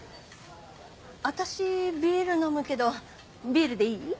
私ビール飲むけどビールでいい？